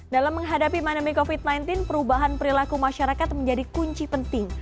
dalam menghadapi pandemi covid sembilan belas perubahan perilaku masyarakat menjadi kunci penting